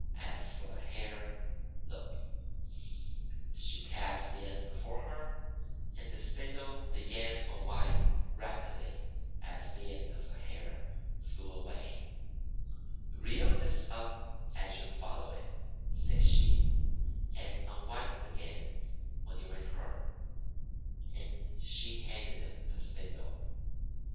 As for the hair, look!' She cast the end before her, and the spindle began to unwind rapidly as the end of the hair flew away. "Reel this up as you follow it," said she, THE WATER OF LIGHT 261 c<and unwind it again when you return." And she handed him the spindle.